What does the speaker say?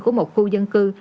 của một khu dân cư